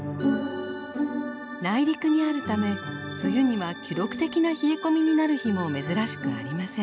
内陸にあるため冬には記録的な冷え込みになる日も珍しくありません。